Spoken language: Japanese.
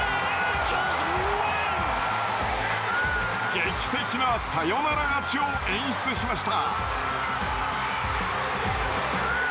劇的なサヨナラ勝ちを演出しました。